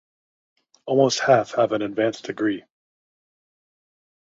Almost half have an advanced degree.